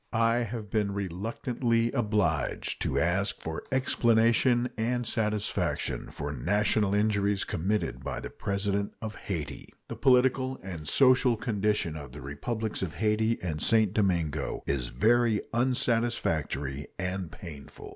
I have been reluctantly obliged to ask explanation and satisfaction for national injuries committed by the President of Hayti. The political and social condition of the Republics of Hayti and St. Domingo is very unsatisfactory and painful.